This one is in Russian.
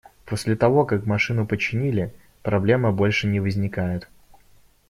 После того, как машину починили, проблема больше не возникает.